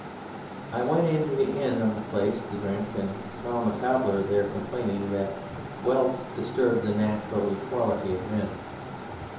I went into the inn of the place to drink, and found the cobbler there complaining that wealth disturbed the natural equality of men.